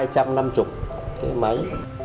hai trăm năm mươi cái máy